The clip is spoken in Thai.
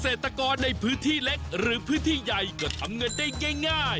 เกษตรกรในพื้นที่เล็กหรือพื้นที่ใหญ่ก็ทำเงินได้ง่าย